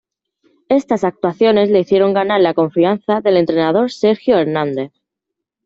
Estas actuaciones le hicieron ganar la confianza del entrenador Sergio Hernández.